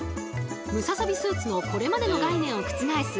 ムササビスーツのこれまでの概念を覆す